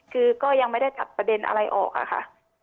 คือก็ยังไม่ได้ตัดประเด็นอะไรออกอะค่ะ